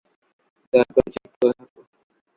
দয়া করে চুপ করে থাক।